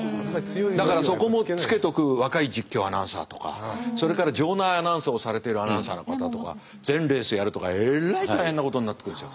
だからそこもつけとく若い実況アナウンサーとかそれから場内アナウンスをされてるアナウンサーの方とか全レースやるとかえらい大変なことになってくるでしょ。